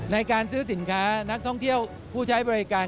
ในการซื้อสินค้านักท่องเที่ยวผู้ใช้บริการ